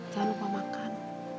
jangan lupa makan